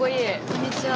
こんにちは。